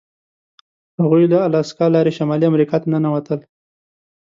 هغوی له الاسکا لارې شمالي امریکا ته ننوتل.